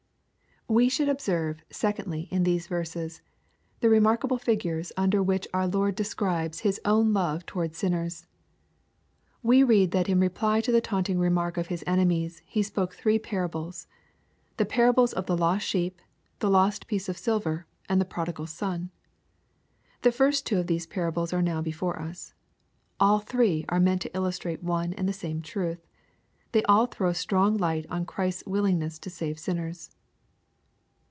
We should observe, secondly, in these verses, the re markf ble figures imder which our Lord describes His own LUKE, CHAP. XV. 173 love towards sinners. We read that in reply to the taunting remark of His enemies He spoke three para bles,— the parables of the lost sheep, the lost piece of silver, and the prodigal son. The first two of these parables are now before us. All three are meant to illustrate one and the same truth. They all throw strong light on Christ's willingness to save sinners.